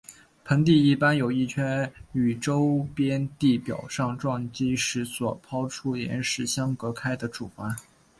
盆地一般有一圈与周边地表上撞击时所抛出岩石相隔开的主环。